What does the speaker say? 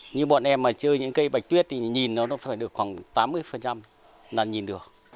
như bọn em mà chơi những cây bạch tuyết thì nhìn nó phải được khoảng tám mươi là nhìn được